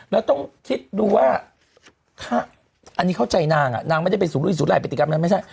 แล้วต้องคิดดูว่าอันนี้เข้าใจนางนางไม่ได้ไปฝูลที่สู้ไหลปฏิกรรมนั่น